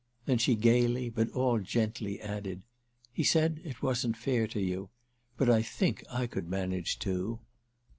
Then she gaily but all gently added: "He said it wasn't fair to you. But I think I could manage two."